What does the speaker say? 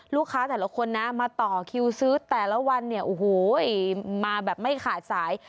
ลูกค้าแต่ละคนมาต่อคิวซื้อแต่ละวันมาแบบไม่ขาดสาย